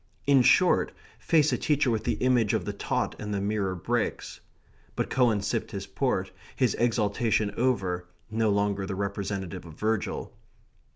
In short, face a teacher with the image of the taught and the mirror breaks. But Cowan sipped his port, his exaltation over, no longer the representative of Virgil.